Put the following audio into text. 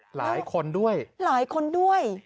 หลายคนด้วยหลายคนด้วย